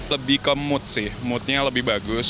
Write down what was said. lebih ke mood sih moodnya lebih bagus